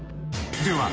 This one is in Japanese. では